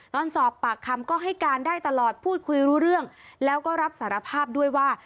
ตอนสอบปากคำก็ให้การได้ตลอดพูดคุยรู้เรื่องแล้วก็รับสารภาพด้วยว่า